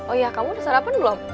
oh ya kamu udah sarapan belum